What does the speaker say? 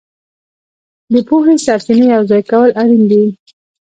د پوهې سرچینې یوځای کول اړین دي.